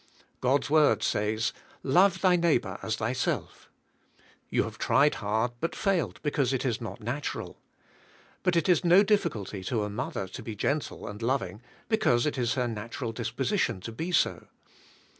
God's word says, '' Love thy neighbor as thyself;" you have tried hard but failed because it is not natural. But it is no difficulty to a mother to be g entle and loving because it is her natural disposition to be so.